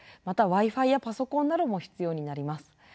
またＷｉ−Ｆｉやパソコンなども必要になります。